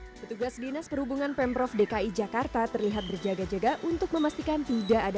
hai petugas dinas perhubungan pemprov dki jakarta terlihat berjaga jaga untuk memastikan tidak ada